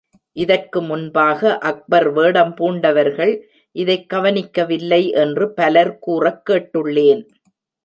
இதற்கு முன்பாக அக்பர் வேடம் பூண்டவர்கள் இதைக் கவனிக்கவில்லை என்று பலர் கூறக் கேட்டுள்ளேன்.